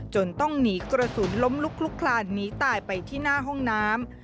จนต้องหนีกระสุนล้มลุกลุกคลานหนีตายไปที่หน้าห้องน้ำ